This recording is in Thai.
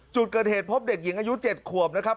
จุดเกิดเหตุพบเด็กหญิงอายุ๗ขวบนะครับ